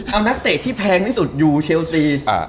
เอานักเตะที่แพงที่สุดอยู่เชลซี